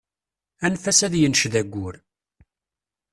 Anef-as ad yenced ayyur.